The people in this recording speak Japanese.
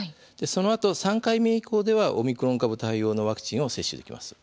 そのあと３回目以降ではオミクロン株対応のワクチンを接種できます。